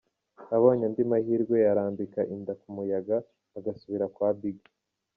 Abonye andi mahirwe yarambika inda ku muyaga agasubira kwa Biggie.